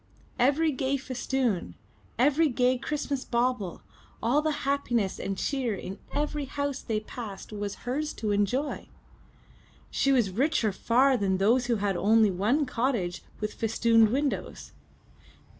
Every gay festoon, every gay Christmas bauble, all the happiness and cheer in every house they passed was hers to enjoy! She was richer far than those who had only one cottage with festooned windows!